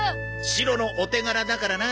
シロのお手柄だからな。